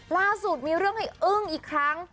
ล่าสุดมีเรื่องให้อึ้งอีกครั้ง